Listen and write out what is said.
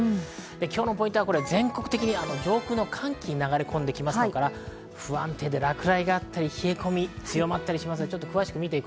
今日のポイントは全国的に上空の寒気が流れ込んできますから、不安定で落雷があったりとか、冷え込みがあったりします。